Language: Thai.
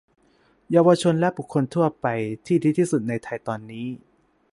เยาวชนและบุคคลทั่วไป ที่ดีที่สุดในไทยตอนนี้